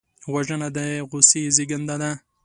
وژنه د غصې زېږنده ده